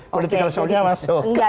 kualifikasi masyarakatnya masuk